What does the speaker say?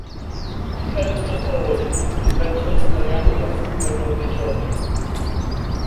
He plays as a forward in Juventud Alianza from Federal B Tourney.